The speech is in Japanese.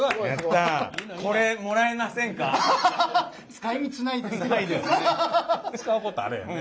使うことあればね。